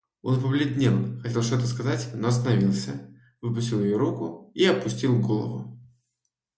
Он побледнел, хотел что-то сказать, но остановился, выпустил ее руку и опустил голову.